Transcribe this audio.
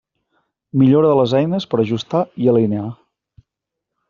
Millora de les eines per ajustar i alinear.